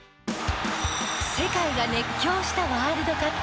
世界が熱狂したワールドカップ。